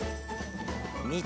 みて！